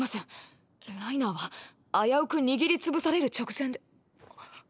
ライナーは危うく握り潰される直前でー！